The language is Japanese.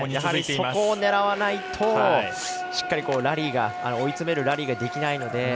そこを狙わないとしっかり追い詰めるラリーができないので。